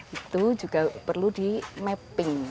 itu juga perlu di mapping